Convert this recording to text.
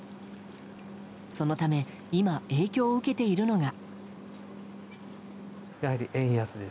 そのため今、影響を受けているのが。